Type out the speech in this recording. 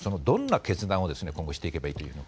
どんな決断を今後していけばいいと。